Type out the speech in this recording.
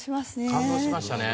感動しましたね。